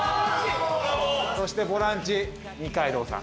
そしてボランチ二階堂さん。